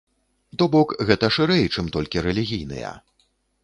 То бок, гэта шырэй, чым толькі рэлігійныя.